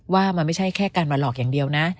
ว่ามันไม่ใช่แค่การมาหลอกอย่างเดียวนะ